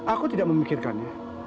aku tidak memikirkannya